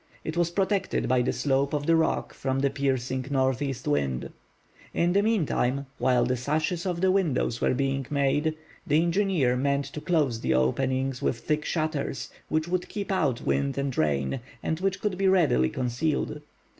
It was protected by the slope of the rock from the piercing northeast wind. In the meantime, while the sashes of the windows were being made, the engineer meant to close the openings with thick shutters, which would keep out wind and rain, and which could be readily concealed.